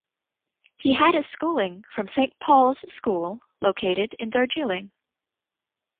He had his schooling from Saint Paul's School located in Darjeeling.